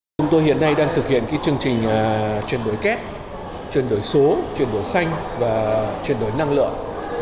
chúng tôi hiện nay đang thực hiện chương trình chuyển đổi kép chuyển đổi số chuyển đổi xanh và chuyển đổi năng lượng